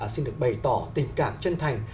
xin được bày tỏ tình cảm chân thành